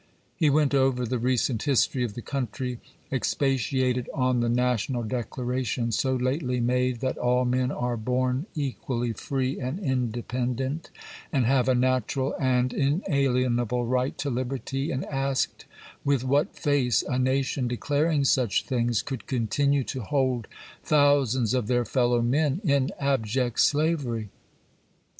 He went over the recent history of the country; expatiated on the national declaration so lately made, that all men are born equally free and independent, and have a natural and inalienable right to liberty, and asked with what face a nation declaring such things could continue to hold thousands of their fellow men in abject slavery.